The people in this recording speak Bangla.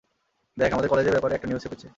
দেখ, আমাদের কলেজের ব্যাপারে একটা নিউজ ছেপেছে।